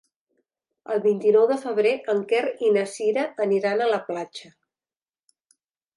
El vint-i-nou de febrer en Quer i na Cira iran a la platja.